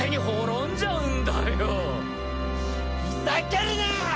ふざけるなーっ！